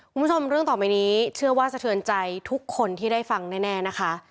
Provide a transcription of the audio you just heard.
คุณผู้ชมเรื่องต่อไปนี้เชื่อว่าสะเทือนใจทุกคนที่ได้ฟังแน่นะคะ